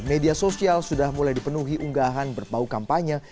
media sosial sudah mulai dipenuhi unggahan berbau kampanye